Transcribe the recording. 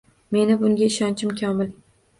Meni bunga ishonchim komil.